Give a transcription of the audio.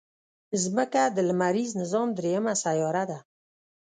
مځکه د لمریز نظام دریمه سیاره ده.